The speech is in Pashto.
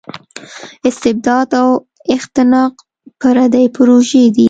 استبداد او اختناق پردۍ پروژې دي.